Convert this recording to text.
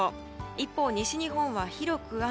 一方、西日本は広く雨。